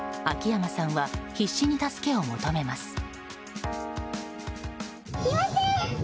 秋山さんは必死に助けを求めます。